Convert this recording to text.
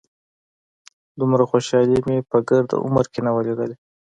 دومره خوشالي مې په ګرد عمر کښې نه وه ليدلې.